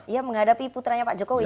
ya menghadapi putranya pak jokowi